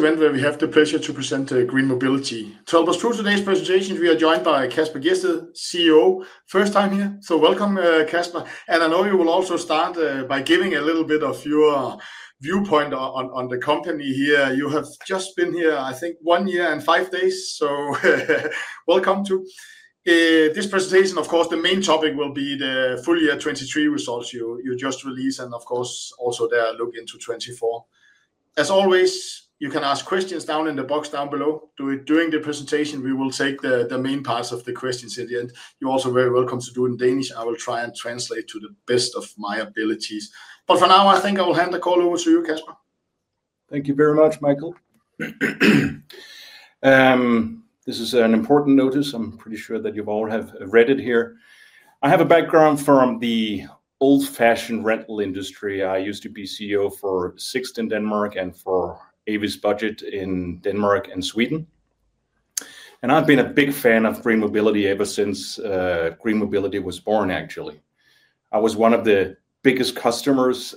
Event where we have the pleasure to present GreenMobility. To help us through today's presentation, we are joined by Kasper Gjedsted, CEO. First time here, so welcome, Kasper. I know you will also start by giving a little bit of your viewpoint on the company here. You have just been here, I think, one year and five days, so welcome to this presentation. Of course, the main topic will be the full year 2023 results you just released and of course, also the outlook into 2024. As always, you can ask questions down in the box down below during the presentation. We will take the main parts of the questions at the end. You're also very welcome to do it in Danish. I will try and translate to the best of my abilities. For now, I think I will hand the call over to you, Kasper. Thank you very much, Michael. This is an important notice. I'm pretty sure that you all have read it here. I have a background from the old-fashioned rental industry. I used to be CEO for Sixt in Denmark and for Avis Budget in Denmark and Sweden. I've been a big fan of GreenMobility ever since GreenMobility was born, actually. I was one of the biggest customers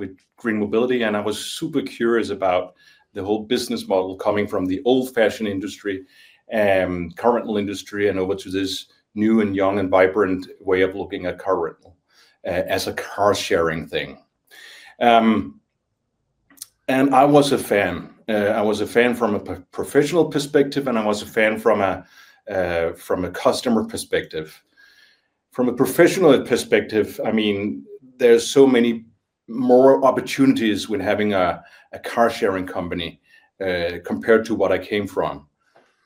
with GreenMobility, and I was super curious about the whole business model coming from the old-fashioned industry and car rental industry and over to this new and young and vibrant way of looking at car rental as a car sharing thing. I was a fan. I was a fan from a professional perspective, and I was a fan from a customer perspective. From a professional perspective, there's so many more opportunities when having a car-sharing company compared to what I came from.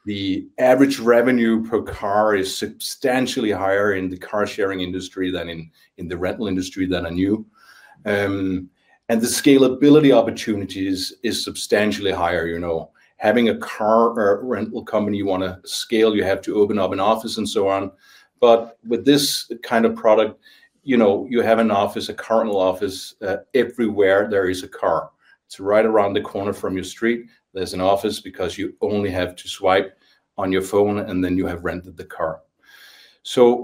The average revenue per car is substantially higher in the car-sharing industry than in the rental industry that I knew. The scalability opportunities is substantially higher. Having a car rental company you want to scale, you have to open up an office and so on. With this kind of product, you have an office, a car rental office everywhere there is a car. It's right around the corner from your street. There's an office because you only have to swipe on your phone, and then you have rented the car.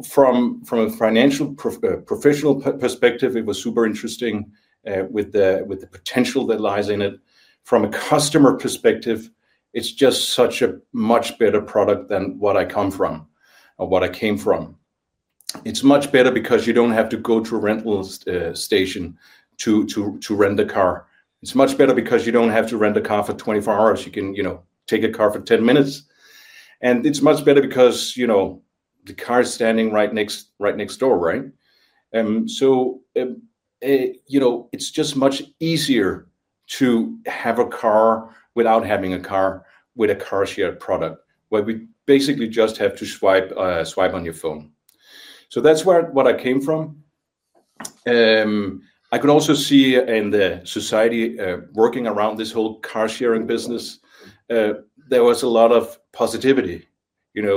From a financial professional perspective, it was super interesting with the potential that lies in it. From a customer perspective, it's just such a much better product than what I come from or what I came from. It's much better because you don't have to go to a rental station to rent a car. It's much better because you don't have to rent a car for 24 hours. You can take a car for 10 minutes, and it's much better because the car's standing right next door, right? It's just much easier to have a car without having a car with a car share product, where we basically just have to swipe on your phone. That's what I came from. I could also see in the society, working around this whole car-sharing business, there was a lot of positivity,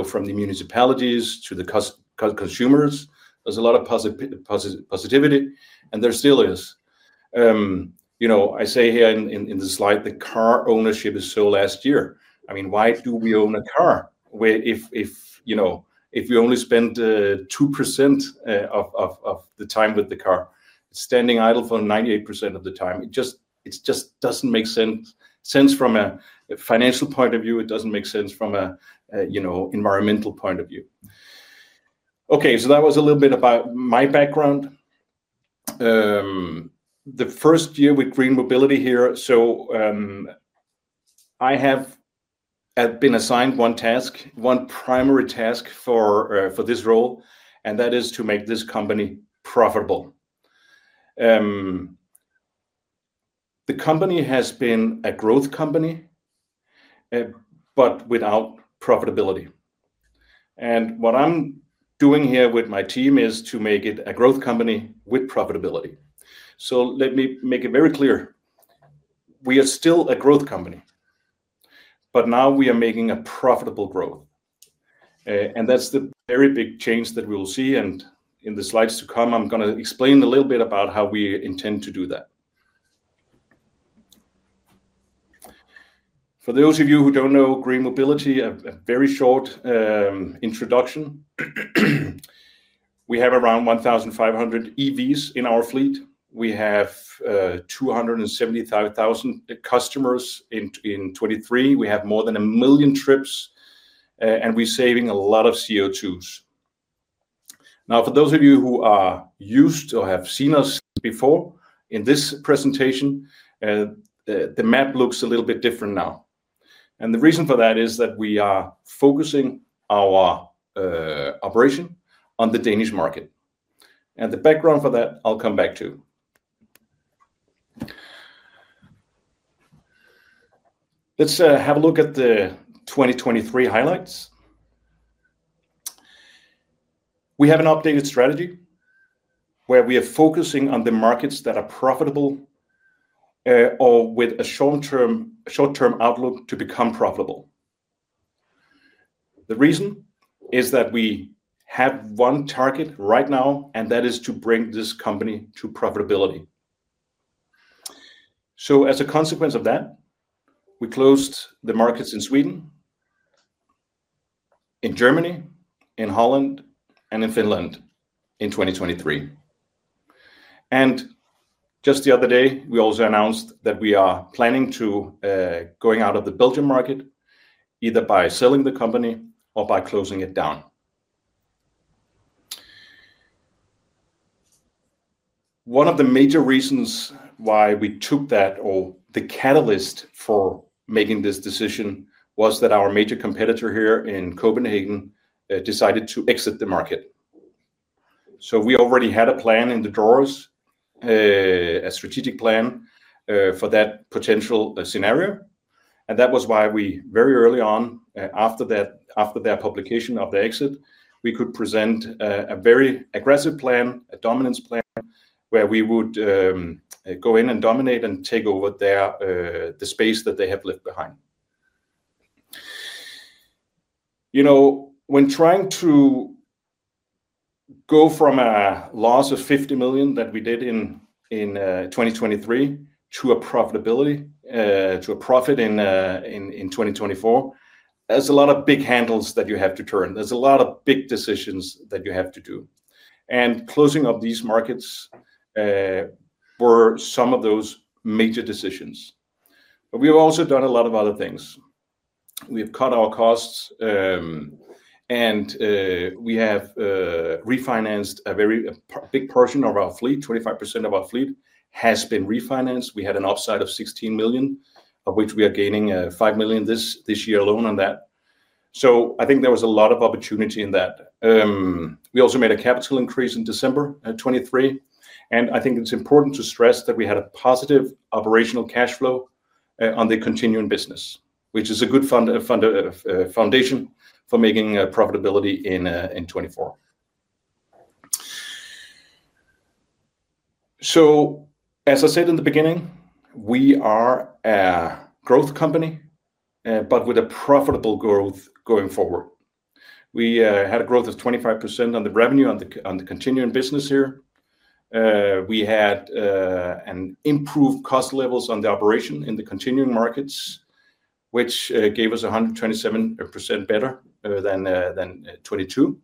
from the municipalities to the consumers. There was a lot of positivity, and there still is. I say here in the slide that car ownership is so last year. Why do we own a car if we only spend 2% of the time with the car? It's standing idle for 98% of the time. It just doesn't make sense from a financial point of view. It doesn't make sense from an environmental point of view. That was a little bit about my background. The first year with GreenMobility here. I have been assigned one task, one primary task for this role, and that is to make this company profitable. The company has been a growth company, but without profitability. What I'm doing here with my team is to make it a growth company with profitability. Let me make it very clear. We are still a growth company, but now we are making a profitable growth. That's the very big change that we'll see. In the slides to come, I'm going to explain a little bit about how we intend to do that. For those of you who don't know GreenMobility, a very short introduction. We have around 1,500 EVs in our fleet. We have 275,000 customers in 2023. We have more than a million trips, and we're saving a lot of CO2s. For those of you who are used or have seen us before in this presentation, the map looks a little bit different now. The reason for that is that we are focusing our operation on the Danish market. The background for that, I'll come back to. Let's have a look at the 2023 highlights. We have an updated strategy where we are focusing on the markets that are profitable or with a short-term outlook to become profitable. The reason is that we have one target right now, and that is to bring this company to profitability. As a consequence of that, we closed the markets in Sweden, in Germany, in Holland, and in Finland in 2023. Just the other day, we also announced that we are planning to going out of the Belgium market, either by selling the company or by closing it down. One of the major reasons why we took that, or the catalyst for making this decision, was that our major competitor here in Copenhagen decided to exit the market. We already had a plan in the drawers, a strategic plan for that potential scenario, and that was why we very early on, after their publication of the exit, we could present a very aggressive plan, a dominance plan, where we would go in and dominate and take over the space that they have left behind. When trying to go from a loss of 50 million that we did in 2023 to a profitability, to a profit in 2024, there's a lot of big handles that you have to turn. There's a lot of big decisions that you have to do. Closing of these markets were some of those major decisions. We've also done a lot of other things. We've cut our costs, and we have refinanced a very big portion of our fleet. 25% of our fleet has been refinanced. We had an upside of 16 million, of which we are gaining 5 million this year alone on that. I think there was a lot of opportunity in that. We also made a capital increase in December 2023, and I think it's important to stress that we had a positive operational cash flow on the continuing business, which is a good foundation for making a profitability in 2024. As I said in the beginning, we are a growth company, but with a profitable growth going forward. We had a growth of 25% on the revenue on the continuing business here. We had an improved cost levels on the operation in the continuing markets, which gave us 127% better than 2022.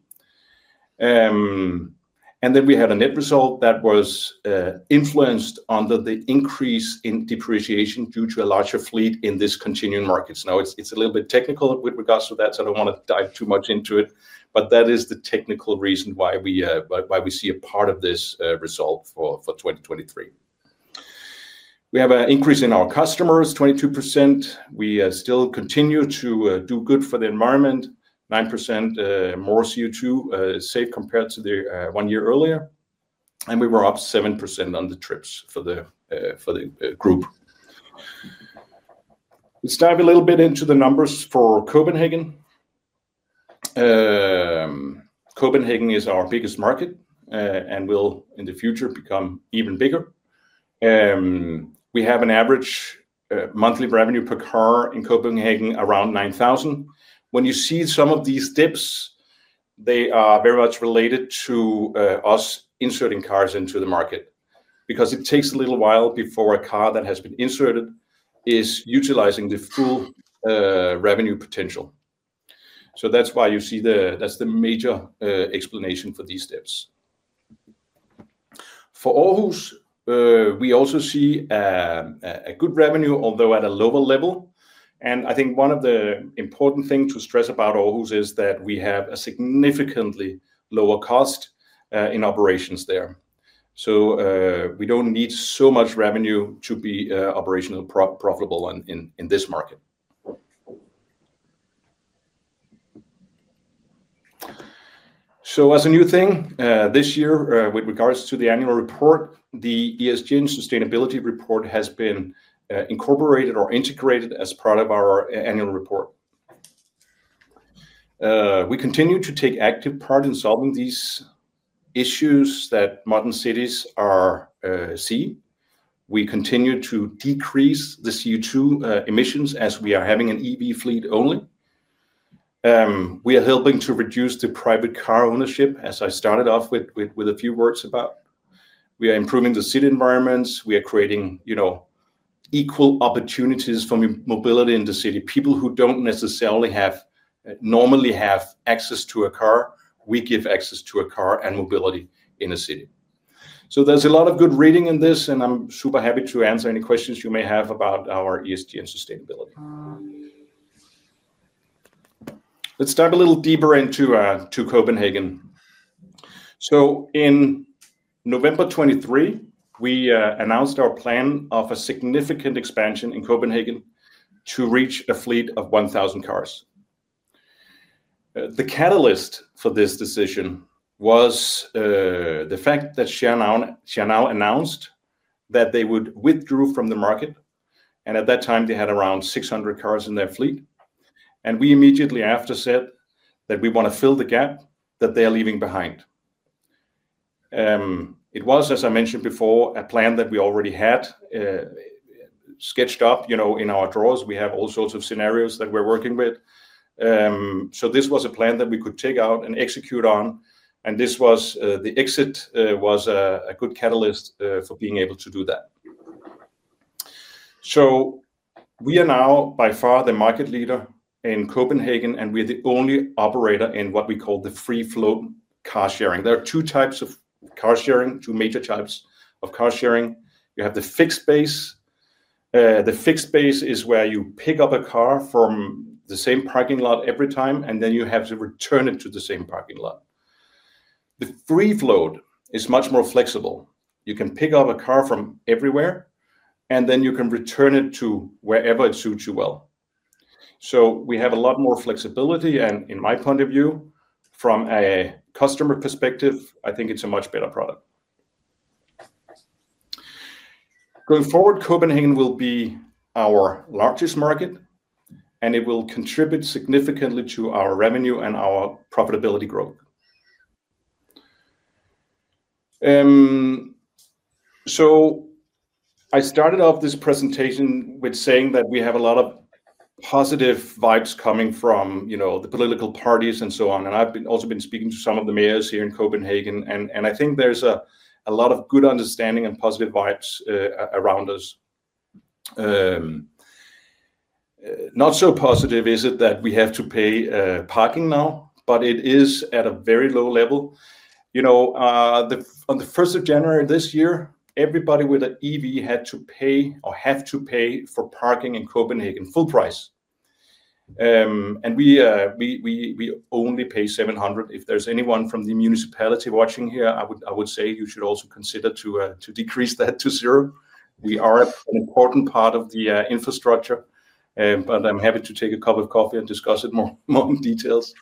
Then we had a net result that was influenced under the increase in depreciation due to a larger fleet in this continuing markets. Now, it's a little bit technical with regards to that, so I don't want to dive too much into it, but that is the technical reason why we see a part of this result for 2023. We have an increase in our customers, 22%. We still continue to do good for the environment. 9% more CO2 saved compared to one year earlier. We were up 7% on the trips for the group. Let's dive a little bit into the numbers for Copenhagen. Copenhagen is our biggest market. Will, in the future, become even bigger. We have an average monthly revenue per car in Copenhagen around 9,000. When you see some of these dips, they are very much related to us inserting cars into the market because it takes a little while before a car that has been inserted is utilizing the full revenue potential. That's the major explanation for these steps. For Aarhus, we also see a good revenue, although at a lower level. I think one of the important thing to stress about Aarhus is that we have a significantly lower cost in operations there. We don't need so much revenue to be operational profitable in this market. As a new thing, this year, with regards to the annual report, the ESG and sustainability report has been incorporated or integrated as part of our annual report. We continue to take active part in solving these issues that modern cities see. We continue to decrease the CO2 emissions as we are having an EV fleet only. We are helping to reduce the private car ownership, as I started off with a few words about. We are improving the city environments. We are creating equal opportunities for mobility in the city. People who don't normally have access to a car, we give access to a car and mobility in a city. There's a lot of good reading in this, and I'm super happy to answer any questions you may have about our ESG and sustainability. Let's dive a little deeper into Copenhagen. In November 2023, we announced our plan of a significant expansion in Copenhagen to reach a fleet of 1,000 cars. The catalyst for this decision was the fact that SHARE NOW announced that they would withdrew from the market, and at that time, they had around 600 cars in their fleet. We immediately after said that we want to fill the gap that they're leaving behind. It was, as I mentioned before, a plan that we already had sketched up in our drawers. We have all sorts of scenarios that we're working with. This was a plan that we could take out and execute on, and the exit was a good catalyst for being able to do that. We are now by far the market leader in Copenhagen, and we are the only operator in what we call the free-float car sharing. There are two major types of car sharing. You have the fixed -based. The fixed base is where you pick up a car from the same parking lot every time, and then you have to return it to the same parking lot. The free-float is much more flexible. You can pick up a car from everywhere, and then you can return it to wherever it suits you well. We have a lot more flexibility, and in my point of view, from a customer perspective, I think it's a much better product. Going forward, Copenhagen will be our largest market, and it will contribute significantly to our revenue and our profitability growth. I started off this presentation with saying that we have a lot of positive vibes coming from the political parties and so on. I've also been speaking to some of the mayors here in Copenhagen, and I think there's a lot of good understanding and positive vibes around us. Not so positive is it that we have to pay parking now, but it is at a very low level. On the 1st of January this year, everybody with an EV had to pay or have to pay for parking in Copenhagen, full price. We only pay 700. If there's anyone from the municipality watching here, I would say you should also consider to decrease that to zero. We are an important part of the infrastructure, but I'm happy to take a cup of coffee and discuss it more in details.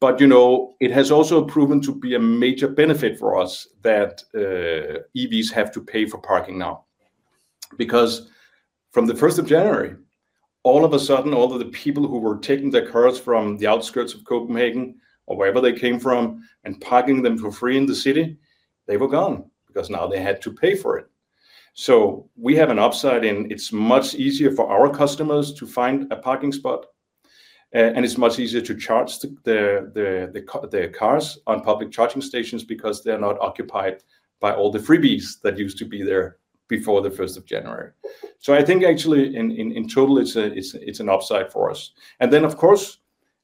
It has also proven to be a major benefit for us that EVs have to pay for parking now. From the 1st of January, all of a sudden, all of the people who were taking their cars from the outskirts of Copenhagen or wherever they came from and parking them for free in the city, they were gone because now they had to pay for it. We have an upside in it's much easier for our customers to find a parking spot, and it's much easier to charge their cars on public charging stations because they're not occupied by all the freebies that used to be there before the 1st of January. I think actually in total, it's an upside for us. Of course,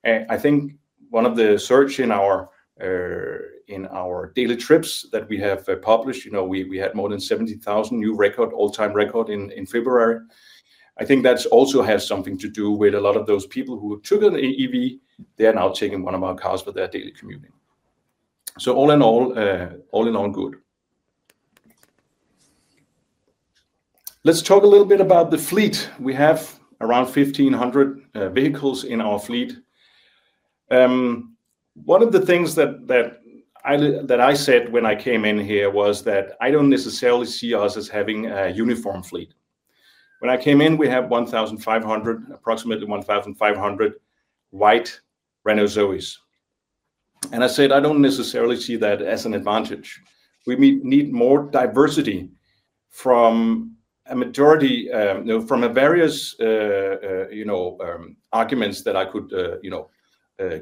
I think one of the surge in our daily trips that we have published, we had more than 70,000 new record, all-time record in February. I think that also has something to do with a lot of those people who took an EV, they are now taking one of our cars for their daily commuting. All in all, good. Let's talk a little bit about the fleet. We have around 1,500 vehicles in our fleet. One of the things that I said when I came in here was that I don't necessarily see us as having a uniform fleet. When I came in, we had approximately 1,500 white Renault Zoes. I said, I don't necessarily see that as an advantage. We need more diversity from a various arguments that I could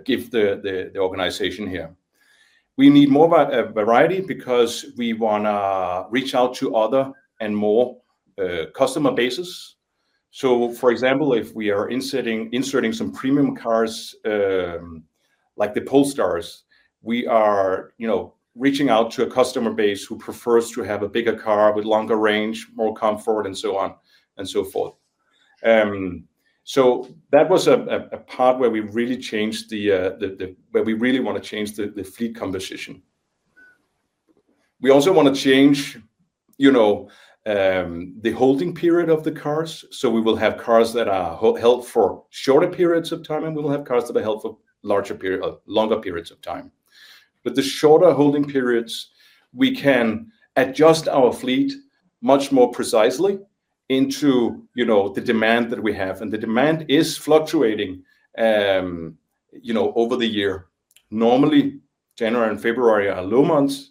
give the organization here. We need more variety because we want to reach out to other and more customer bases. For example, if we are inserting some premium cars like the Polestars, we are reaching out to a customer base who prefers to have a bigger car with longer range, more comfort, and so on and so forth. That was a part where we really want to change the fleet composition. We also want to change the holding period of the cars. We will have cars that are held for shorter periods of time, and we will have cars that are held for longer periods of time. With the shorter holding periods, we can adjust our fleet much more precisely into the demand that we have, and the demand is fluctuating over the year. Normally, January and February are low months,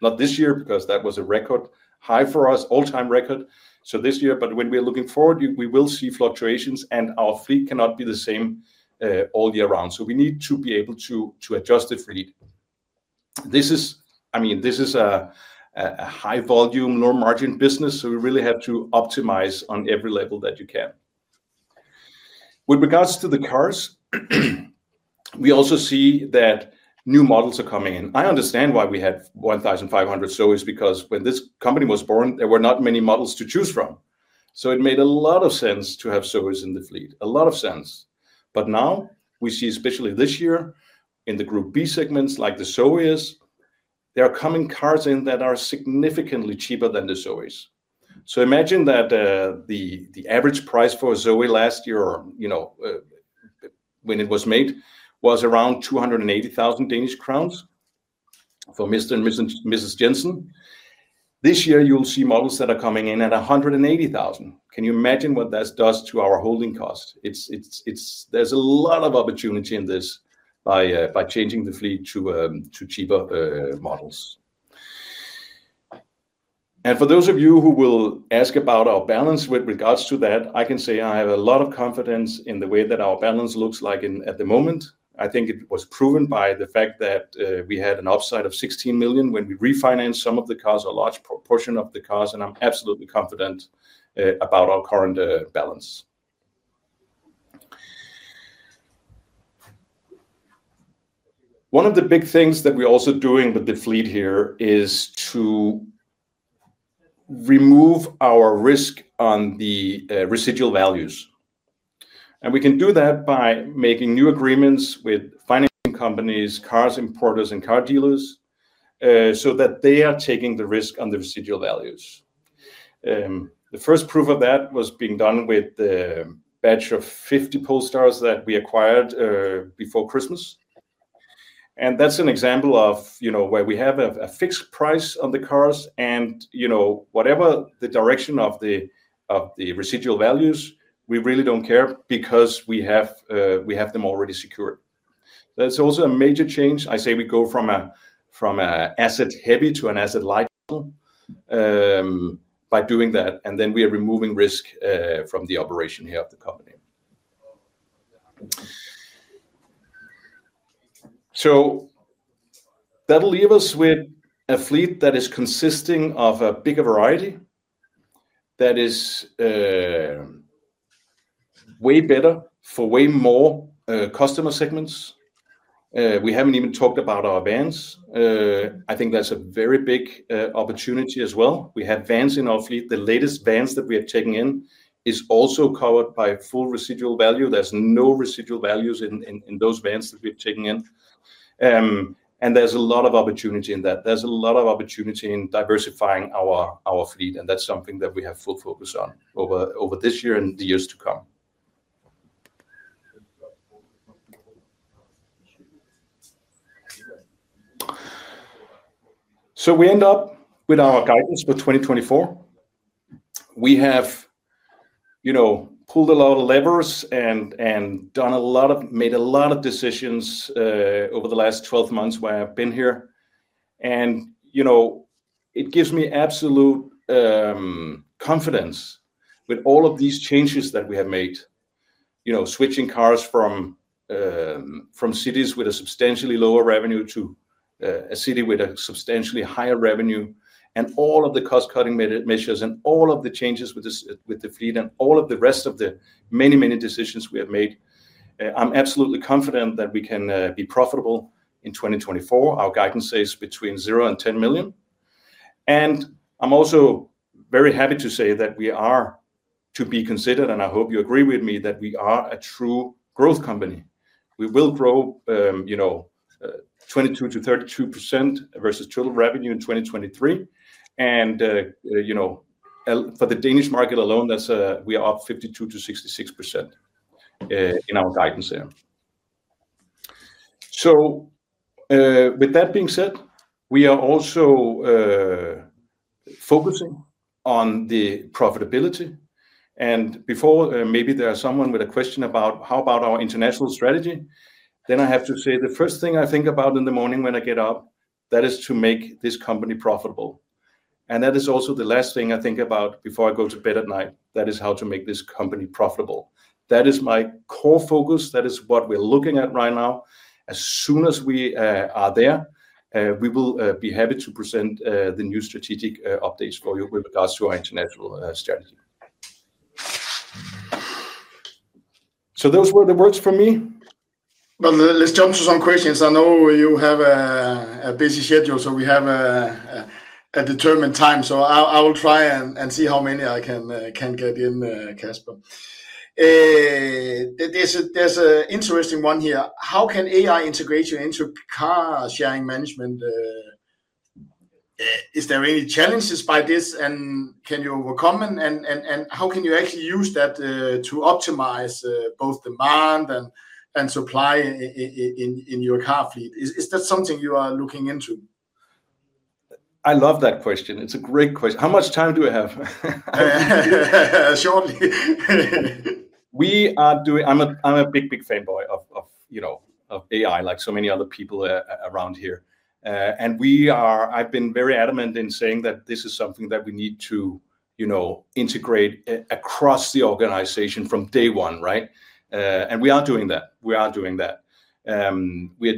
not this year because that was a record high for us, all-time record. This year, but when we are looking forward, we will see fluctuations, and our fleet cannot be the same all year round. We need to be able to adjust the fleet. This is a high-volume, low-margin business, we really have to optimize on every level that you can. With regards to the cars, we also see that new models are coming in. I understand why we have 1,500 Zoes because when this company was born, there were not many models to choose from. It made a lot of sense to have Zoes in the fleet, a lot of sense. Now we see, especially this year in the Group B segments, like the Zoes, there are coming cars in that are significantly cheaper than the Zoes. Imagine that the average price for a Zoe last year or when it was made was around 280,000 Danish crowns for Mr. and Mrs. Jensen. This year, you'll see models that are coming in at 180,000. Can you imagine what that does to our holding cost? There's a lot of opportunity in this by changing the fleet to cheaper models. For those of you who will ask about our balance with regards to that, I can say I have a lot of confidence in the way that our balance looks like at the moment. I think it was proven by the fact that we had an upside of 16 million when we refinanced some of the cars, a large proportion of the cars, and I'm absolutely confident about our current balance. One of the big things that we're also doing with the fleet here is to remove our risk on the residual values. We can do that by making new agreements with financing companies, cars importers, and car dealers, so that they are taking the risk on the residual values. The first proof of that was being done with the batch of 50 Polestars that we acquired before Christmas. That's an example of where we have a fixed price on the cars and whatever the direction of the residual values, we really don't care because we have them already secured. That's also a major change. I say we go from an asset-heavy to an asset-light model by doing that, then we are removing risk from the operation here of the company. That'll leave us with a fleet that is consisting of a bigger variety, that is way better for way more customer segments. We haven't even talked about our vans. I think that's a very big opportunity as well. We have vans in our fleet. The latest vans that we are taking in is also covered by full residual value. There's no residual values in those vans that we've taken in. There's a lot of opportunity in that. There's a lot of opportunity in diversifying our fleet, and that's something that we have full focus on over this year and the years to come. We end up with our guidance for 2024. We have pulled a lot of levers and made a lot of decisions over the last 12 months while I've been here, and it gives me absolute confidence with all of these changes that we have made. Switching cars from cities with a substantially lower revenue to a city with a substantially higher revenue, and all of the cost-cutting measures and all of the changes with the fleet and all of the rest of the many, many decisions we have made, I'm absolutely confident that we can be profitable in 2024. Our guidance says between 0 and 10 million. I'm also very happy to say that we are to be considered, and I hope you agree with me, that we are a true growth company. We will grow 22%-32% versus total revenue in 2023, for the Danish market alone, we are up 52%-66% in our guidance there. With that being said, we are also focusing on the profitability. Before, maybe there is someone with a question about how about our international strategy, I have to say, the first thing I think about in the morning when I get up, that is to make this company profitable. That is also the last thing I think about before I go to bed at night. That is how to make this company profitable. That is my core focus. That is what we're looking at right now. As soon as we are there, we will be happy to present the new strategic updates for you with regards to our international strategy. Those were the words from me. Well, let's jump to some questions. I know you have a busy schedule, so we have a determined time. I will try and see how many I can get in, Kasper. There's an interesting one here. How can AI integration into car sharing management? Is there any challenges by this, and can you overcome and how can you actually use that to optimize both demand and supply in your car fleet? Is that something you are looking into? I love that question. It's a great question. How much time do I have? Shortly. I'm a big, big fanboy of AI, like so many other people around here. I've been very adamant in saying that this is something that we need to integrate across the organization from day one, right? We are doing that. We are doing that. We are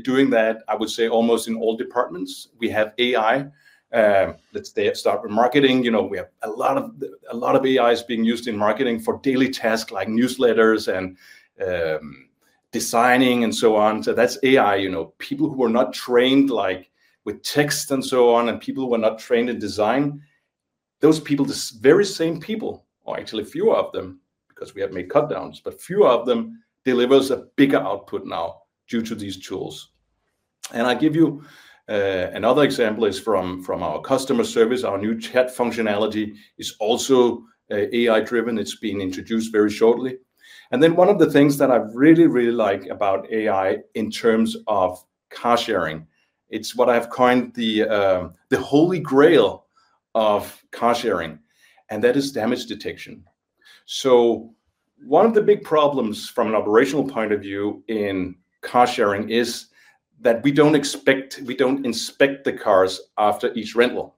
doing that, I would say, almost in all departments. We have AI. Let's start with marketing. We have a lot of AIs being used in marketing for daily tasks, like newsletters and designing and so on. That's AI. People who are not trained, like, with text and so on, and people who are not trained in design, those people, the very same people, or actually a few of them, because we have made cutdowns, but few of them delivers a bigger output now due to these tools. I give you, another example is from our customer service. Our new chat functionality is also AI-driven. It's being introduced very shortly. One of the things that I really, really like about AI in terms of car sharing, it's what I've coined the Holy Grail of car sharing, and that is damage detection. One of the big problems from an operational point of view in car sharing is that we don't inspect the cars after each rental.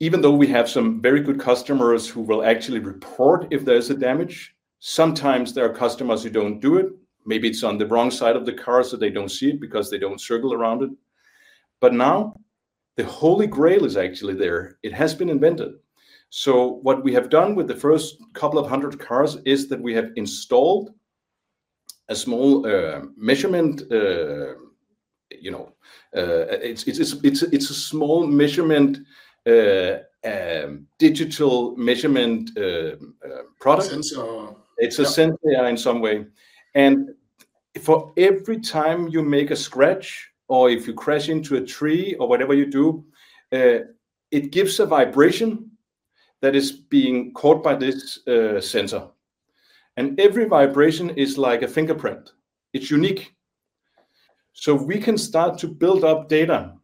Even though we have some very good customers who will actually report if there's a damage, sometimes there are customers who don't do it. Maybe it's on the wrong side of the car, so they don't see it because they don't circle around it. Now the Holy Grail is actually there. It has been invented. What we have done with the first couple of 100 cars is that we have installed a small measurement. It's a small digital measurement product. Sensor. It's a sensor in some way. For every time you make a scratch or if you crash into a tree or whatever you do, it gives a vibration that is being caught by this sensor. Every vibration is like a fingerprint. It's unique. We can start to build up data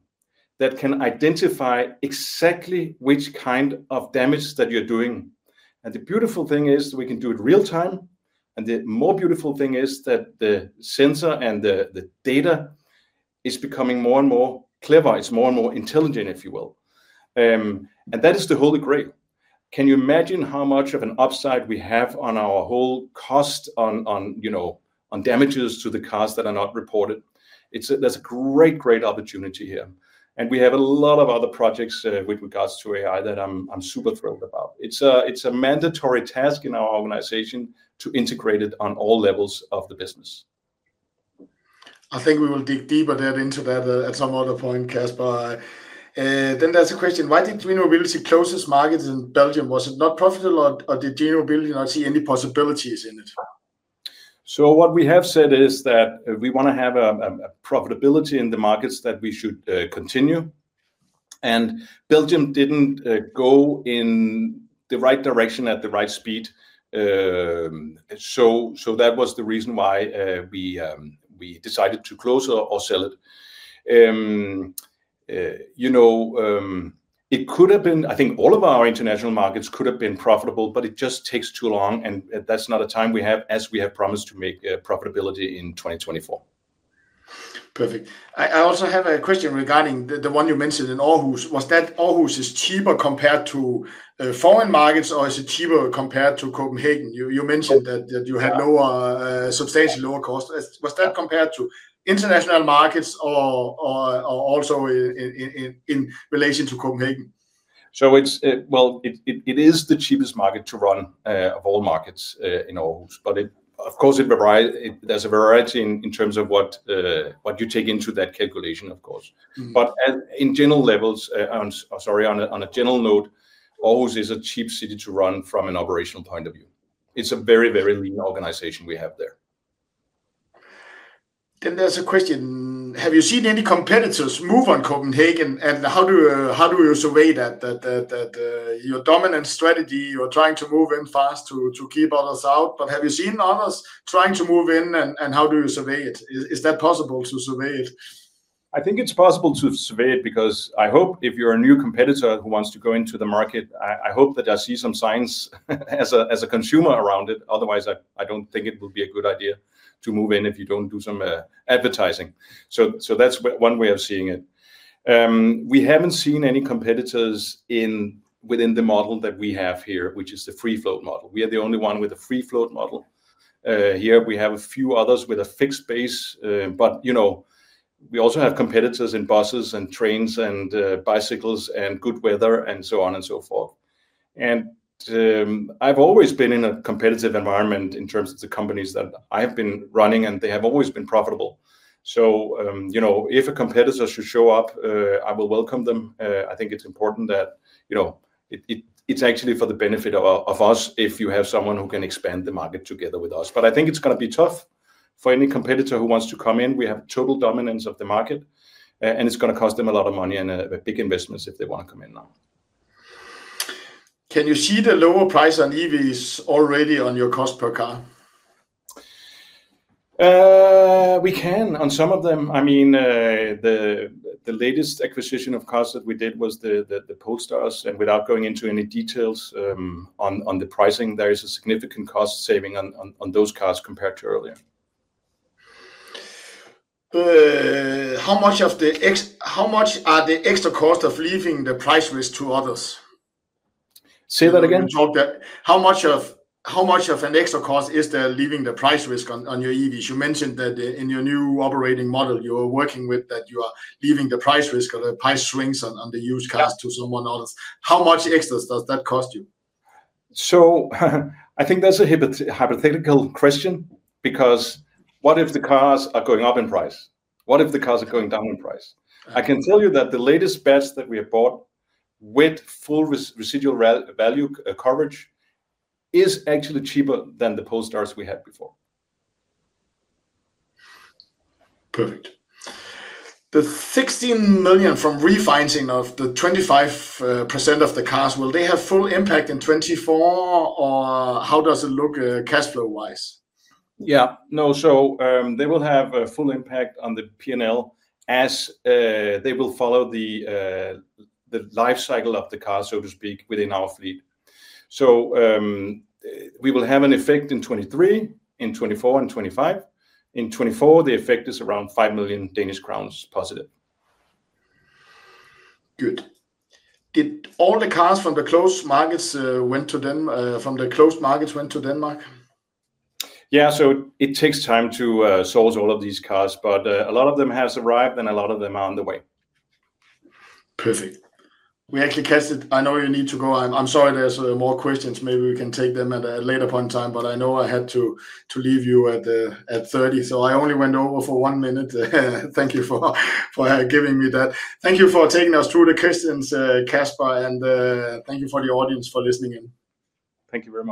that can identify exactly which kind of damage that you're doing. The beautiful thing is that we can do it real-time. The more beautiful thing is that the sensor and the data is becoming more and more clever. It's more and more intelligent, if you will. That is the Holy Grail. Can you imagine how much of an upside we have on our whole cost on damages to the cars that are not reported? There's a great opportunity here. We have a lot of other projects with regards to AI that I'm super thrilled about. It's a mandatory task in our organization to integrate it on all levels of the business. I think we will dig deeper into that at some other point, Kasper. There's a question, why did GreenMobility close its markets in Belgium? Was it not profitable or did GreenMobility not see any possibilities in it? What we have said is that we want to have a profitability in the markets that we should continue, Belgium didn't go in the right direction at the right speed. That was the reason why we decided to close or sell it. I think all of our international markets could have been profitable, it just takes too long, and that's not a time we have as we have promised to make profitability in 2024. Perfect. I also have a question regarding the one you mentioned in Aarhus. Was that Aarhus is cheaper compared to foreign markets or is it cheaper compared to Copenhagen? You mentioned that you had substantially lower costs. Was that compared to international markets or also in relation to Copenhagen? Well, it is the cheapest market to run of all markets in Aarhus. Of course, there's a variety in terms of what you take into that calculation, of course. On a general note, Aarhus is a cheap city to run from an operational point of view. It's a very lean organization we have there. There's a question, have you seen any competitors move on Copenhagen, and how do you survey that? Your dominant strategy, you're trying to move in fast to keep others out. Have you seen others trying to move in, and how do you survey it? Is that possible to survey it? I think it's possible to survey it because I hope if you're a new competitor who wants to go into the market, I hope that I see some signs as a consumer around it. Otherwise, I don't think it will be a good idea to move in if you don't do some advertising. That's one way of seeing it. We haven't seen any competitors within the model that we have here, which is the free-float model. We are the only one with a free-float model. Here we have a few others with a fixed base. We also have competitors in buses and trains and bicycles and good weather and so on and so forth. I've always been in a competitive environment in terms of the companies that I've been running, and they have always been profitable. If a competitor should show up, I will welcome them. I think it's important that it's actually for the benefit of us if you have someone who can expand the market together with us. I think it's going to be tough for any competitor who wants to come in. We have total dominance of the market, and it's going to cost them a lot of money and big investments if they want to come in now. Can you see the lower price on EVs already on your cost per car? We can on some of them. The latest acquisition of cars that we did was the Polestars, and without going into any details on the pricing, there is a significant cost saving on those cars compared to earlier. How much are the extra cost of leaving the price risk to others? Say that again. How much of an extra cost is there leaving the price risk on your EVs? You mentioned that in your new operating model you are working with that you are leaving the price risk or the price swings on the used cars to someone else. How much extra does that cost you? I think that's a hypothetical question because what if the cars are going up in price? What if the cars are going down in price? I can tell you that the latest batch that we have bought with full residual value coverage is actually cheaper than the Polestars we had before. Perfect. The 16 million from refinancing of the 25% of the cars, will they have full impact in 2024 or how does it look cash flow-wise? No, they will have a full impact on the P&L as they will follow the life cycle of the car, so to speak, within our fleet. We will have an effect in 2023, in 2024, and 2025. In 2024, the effect is around 5 million Danish crowns positive. Good. Did all the cars from the closed markets went to Denmark? It takes time to source all of these cars. A lot of them has arrived and a lot of them are on the way. Perfect. We actually, Kasper, I know you need to go. I'm sorry there's more questions. Maybe we can take them at a later point in time, I know I had to leave you at 30, I only went over for one minute. Thank you for giving me that. Thank you for taking us through the questions, Kasper, and thank you for the audience for listening in. Thank you very much